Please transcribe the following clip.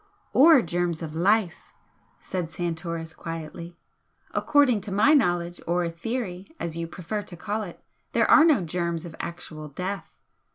"Or germs of life!" said Santoris, quietly "According to my knowledge or 'theory,' as you prefer to call it, there are no germs of actual death.